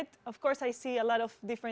tentu saja saya melihat banyak hal yang berbeda